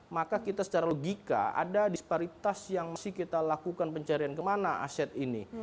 maka kita secara logika ada disparitas yang mesti kita lakukan pencarian kemana aset ini